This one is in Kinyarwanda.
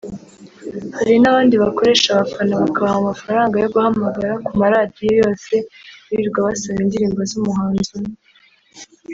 hari n’abandi bakoresha abafana bakabaha amafaranga yo guhamagara ku maradiyo yose birirwa basaba indirimbo z’umuhanzi umwe